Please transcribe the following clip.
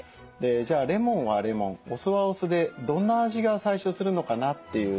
じゃあレモンはレモンお酢はお酢でどんな味が最初するのかなっていう。